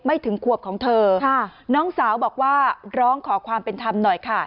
ถึงขวบของเธอค่ะน้องสาวบอกว่าร้องขอความเป็นธรรมหน่อยค่ะ